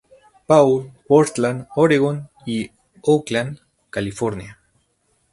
Paul, Portland, Oregon, y Oakland, California.